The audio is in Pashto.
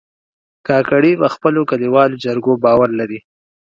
کاکړي په خپلو کلیوالو جرګو باور لري.